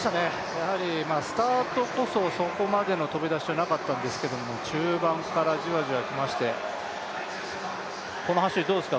やはりスタートこそそこまでの飛び出しじゃなかったんですけど中盤からじわじわきまして、この走りどうですか？